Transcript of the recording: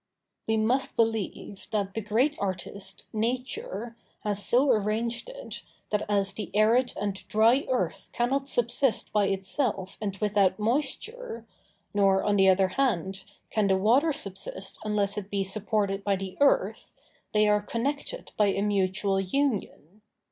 We must believe, that the great artist, Nature, has so arranged it, that as the arid and dry earth cannot subsist by itself and without moisture, nor, on the other hand, can the water subsist unless it be supported by the earth, they are connected by a mutual union.